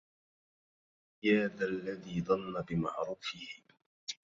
يا ذا الذي ضن بمعروفه